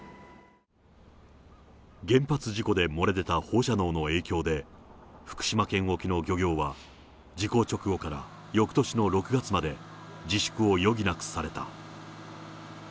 原発事故で漏れ出た放射能の影響で、福島県沖の漁業は、事故直後からよくとしの６月まで自粛を余儀なくされた。